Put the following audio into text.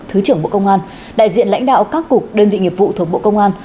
thứ trưởng bộ công an đại diện lãnh đạo các cục đơn vị nghiệp vụ thuộc bộ công an